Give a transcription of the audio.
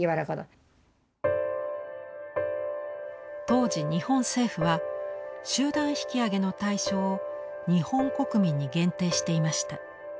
当時日本政府は集団引き揚げの対象を日本国民に限定していました。